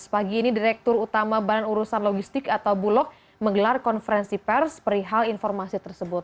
pagi ini direktur utama baran urusan logistik atau bulog menggelar konferensi pers perihal informasi tersebut